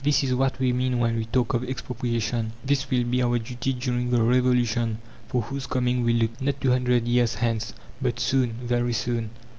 This is what we mean when we talk of Expropriation; this will be our duty during the Revolution, for whose coming we look, not two hundred years hence, but soon, very soon.